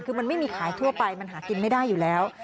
คือมันไม่มีขายทั่วไปมันหากินไม่ได้อยู่แล้ว